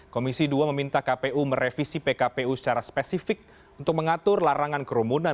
komisi dua meminta kpu merevisi pkpu secara spesifik untuk mengatur larangan kerumunan